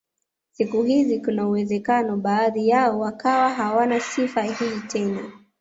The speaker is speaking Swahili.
Siku hizi kuna uwezekano baadhi yao wakawa hawana sifa hii tena